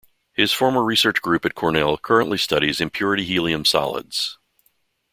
His former research group at Cornell currently studies impurity-helium solids.